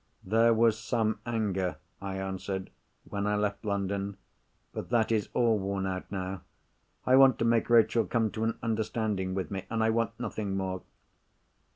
"There was some anger," I answered, "when I left London. But that is all worn out now. I want to make Rachel come to an understanding with me—and I want nothing more."